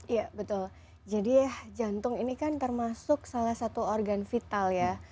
iya betul jadi jantung ini kan termasuk salah satu organ vital ya